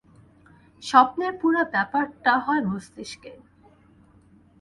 স্বপ্নের পুরো ব্যাপারটা হয় মস্তিকে।